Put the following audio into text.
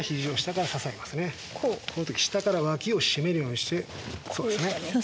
この時下から脇を締めるようにしてそうですね。